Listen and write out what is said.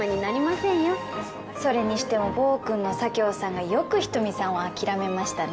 それにしても暴君の佐京さんがよく人見さんを諦めましたね